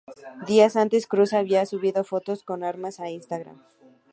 Días antes, Cruz había subido fotos con armas a Instagram.